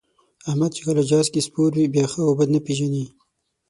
احمد چې کله جهاز کې سپور وي، بیا ښه او بد نه پېژني.